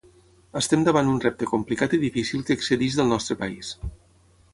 Estem davant un repte complicat i difícil que excedeix del nostre país.